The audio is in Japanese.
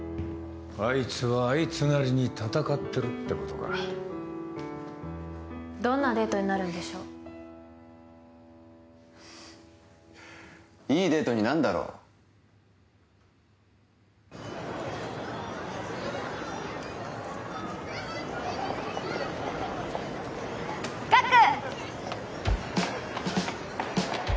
あいつはあいつなりに戦ってるってことかどんなデートになるんでしょういいデートになんだろガク！